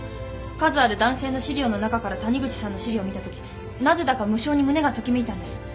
数ある男性の資料の中から谷口さんの資料を見たときなぜだか無性に胸がときめいたんです。